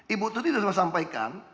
ibu tuti sudah sampaikan